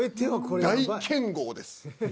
大剣豪です。